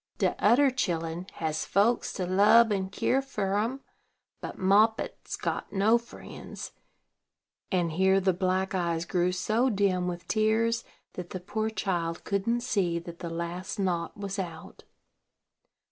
De oder chilen has folks to lub an kere fer em, but Moppet's got no friends;" and here the black eyes grew so dim with tears that the poor child couldn't see that the last knot was out.